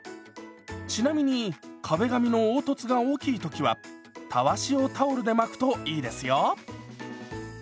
ちなみに壁紙の凹凸が大きい時はたわしをタオルで巻くといいですよ。